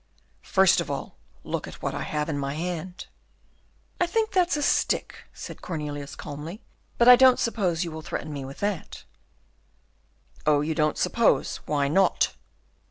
"First of all, look at what I have in my hand." "I think that's a stick," said Cornelius calmly, "but I don't suppose you will threaten me with that." "Oh, you don't suppose! why not?"